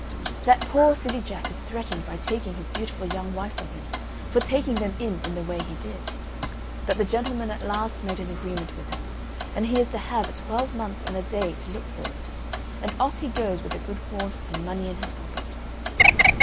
That poor silly Jack is threatened by taking his beautiful young wife from him, for taking them in in the way he did. But the gentleman at last made an agreement with him, and he is to have a twelvemonths and a day to look for it; and off he goes with a good horse and money in his pocket.